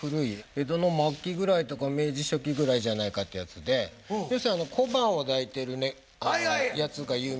江戸の末期ぐらいとか明治初期ぐらいじゃないかってやつで要するに小判を抱いてるやつが有名じゃないですか。